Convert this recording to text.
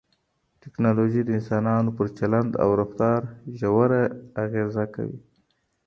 ټکنالوژي د انسانانو پر چلند او رفتار ژوره اغېزه کوي.